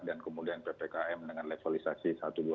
dan kemudian ppkm dengan levelisasi satu dua tiga empat